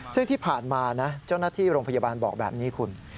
ซึ่งที่ผ่านมานะเจ้าหน้าที่โรงพยาบาลบอกแบบนี้คุณ